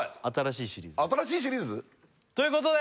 新しいシリーズ？ということで！